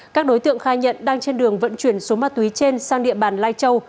các đối tượng khai nhận đang trên đường vận chuyển số ma túy trên sang địa bàn lai châu